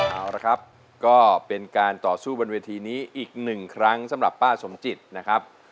เอาละครับก็เป็นการต่อสู้บนเวทีนี้อีกหนึ่งครั้งสำหรับป้าสมจิตนะครับ